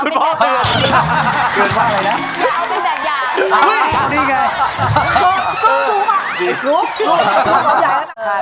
อุ้ยดีมั้ย